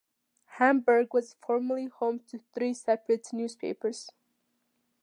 Hamburg was formerly home to three separate newspapers.